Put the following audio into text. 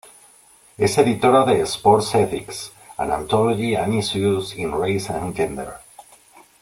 Es editora de "Sports Ethics: An Anthology and Issues in Race and Gender".